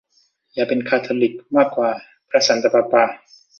อย่าเป็นคาทอลิกมากกว่าพระสันตะปาปา